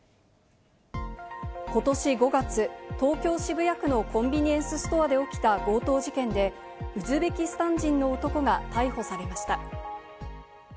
ことし５月、東京・渋谷区のコンビニエンスストアで起きた強盗事件で、ウズベキスタン人の男が逮捕されました。